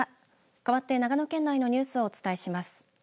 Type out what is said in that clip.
かわって長野県内のニュースをお伝えします。